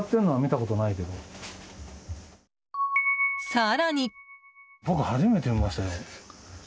更に。